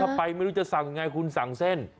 ถ้าไปไม่รู้จะสั่งยังไงคุณสั่งเส้น